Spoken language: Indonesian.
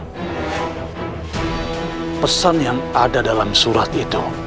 apakah pesan yang terjadi di dalam surat itu